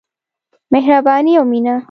مهرباني او مينه.